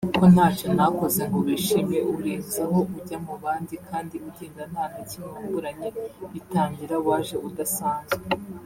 ko ntacyo ntakoze ngo wishime Urenzaho ujya mu bandi kandi ugenda nta na kimwe wamburanye Bitangira waje udasanzwe